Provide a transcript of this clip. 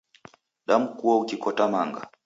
Damkua ukikota manga